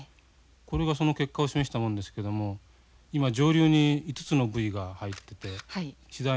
これがその結果を示したもんですけども今上流に５つのブイが入ってて次第に流れ下っていってるわけですね。